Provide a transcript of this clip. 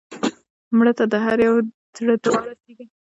مړه ته د هر یو زړه دعا رسېږي